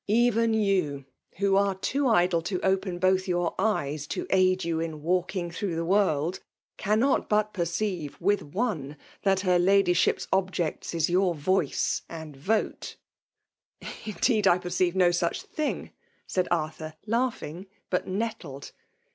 Even you, who arc too idle to open both your eyes to aid you in walking through the world, cannot but perceive, with one, that her Lady ship's object is your voice and vote." FEMALE. DOM INAXION. If {T. ^* Ip^^ed^ I peroeive no such . tlung/* Baid Arthur, laughing, but nettled.